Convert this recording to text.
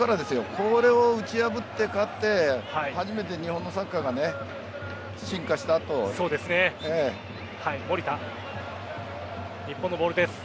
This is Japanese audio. これを打ち破って勝って初めて日本のサッカーが日本のボールです。